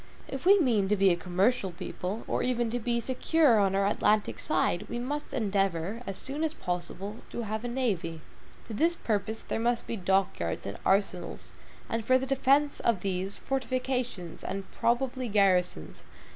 If we mean to be a commercial people, or even to be secure on our Atlantic side, we must endeavor, as soon as possible, to have a navy. To this purpose there must be dock yards and arsenals; and for the defense of these, fortifications, and probably garrisons.